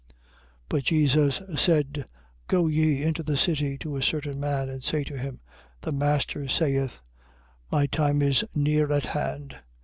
But Jesus said: Go ye into the city to a certain man and say to him: The master saith, My time is near at hand.